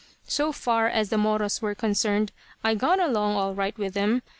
So far as the Moros were concerned, I got along all right with them.